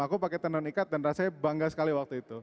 aku pakai tenun ikat dan rasanya bangga sekali waktu itu